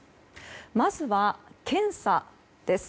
まずは検査です。